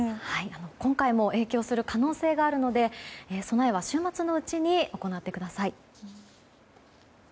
今回も影響する可能性があるので備えは週末のうちに行ってください。